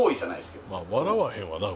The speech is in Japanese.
笑わへんわな